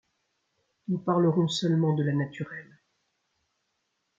Nous parlerons seulement de la naturelle.